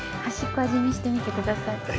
端っこ味見してみてください